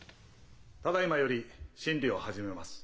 ただいまより審理を始めます。